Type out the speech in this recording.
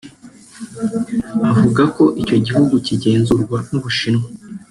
avuga ko icyo gihugu kigenzurwa n’u Bushinwa